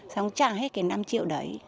xong trả hết cái năm triệu đấy